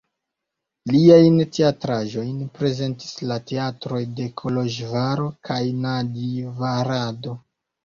Liajn teatraĵojn prezentis la teatroj de Koloĵvaro kaj Nadjvarado.